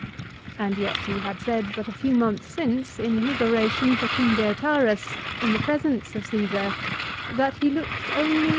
6 And yet he had said but a few months since, in his oration for King Deiotarus, in the presence of Cfesar " that he looked only 1 Ad Att.